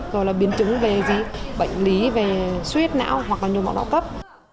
rồi là biến chứng về bệnh lý về suyết não hoặc là nhồi máu não cấp